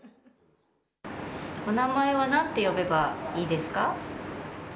お名前はなんて呼べばいいですか？